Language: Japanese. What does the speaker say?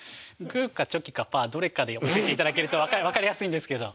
グーかチョキかパーでどれかで教えていただけると分かりやすいんですけど。